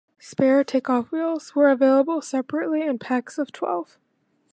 Spare Take-Off Wheels were available separately in packs of twelve.